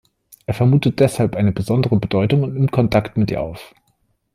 Er vermutet deshalb eine besondere Bedeutung und nimmt Kontakt mit ihr auf.